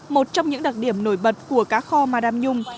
một trong những đặc điểm nổi bật của cá kho ma đam nhung